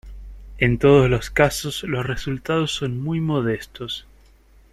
En todos los casos los resultados son muy modestos.